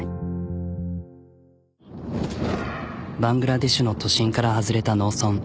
バングラデシュの都心から外れた農村